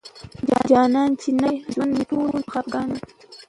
جانان چې نوي ژوند مي ټوله په خفګان دی